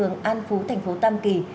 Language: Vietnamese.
nâng phú thành phố tam kỳ